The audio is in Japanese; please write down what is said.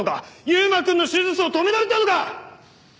優馬くんの手術を止められたのか！？